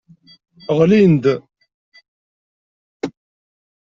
Ɣlin-d.